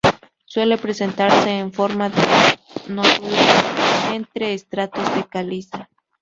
Suele presentarse en forma de nódulos entre estratos de caliza.